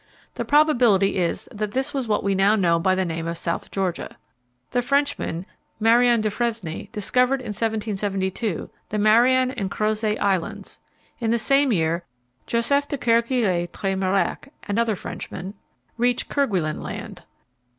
The probability is that this was what we now know by the name of South Georgia. The Frenchman, Marion Dufresne, discovered, in 1772, the Marion and Crozet Islands. In the same year Joseph de Kerguélen Trémarec another Frenchman reached Kerguelen Land.